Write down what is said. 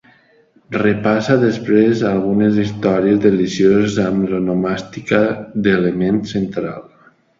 Repassa després algunes històries delicioses amb l'onomàstica d'element central.